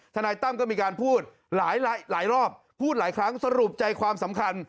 นายตั้มก็มีการพูดหลายรอบพูดหลายครั้งสรุปใจความสำคัญ